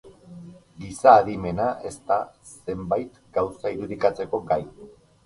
Giza adimena ez da zenbait gauza irudikatzeko gai.